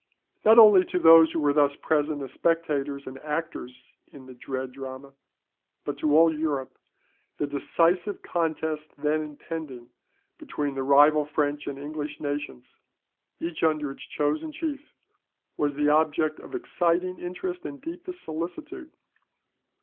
Not only to those who were thus present as spectators and actors in the dread drama, but to all Europe, the decisive contest then impending between the rival French and English nations, each under its chosen chief was the object of exciting interest and deepest solicitude.